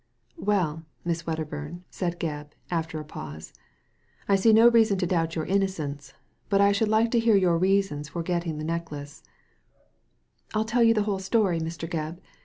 "Well, Miss Wedderburn," said Gebb, after a pause, "I see no reason to doubt your innocence, but I should like to hear your reasons for getting the necklace/* "I'll tell you the whole story, Mn Gebb.